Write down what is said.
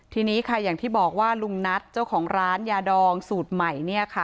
ทีนี้ค่ะอย่างที่บอกว่าลุงนัทเจ้าของร้านยาดองสูตรใหม่เนี่ยค่ะ